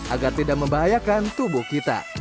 agar tidak membahayakan tubuh kita